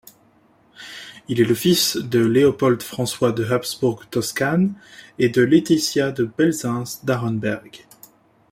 Il est le fils de Léopold-François de Habsbourg-Toscane et de Laetitia de Belzunce d'Arenberg.